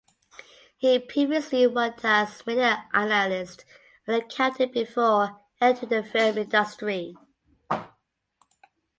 He previously worked as media analyst and accountant before entering the film industry.